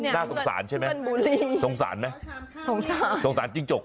น่าสงสารใช่ไหมสงสารไหมสงสารสงสารจิ้งจก